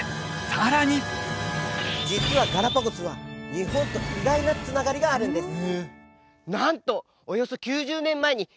さらに実はガラパゴスは日本と意外なつながりがあるんです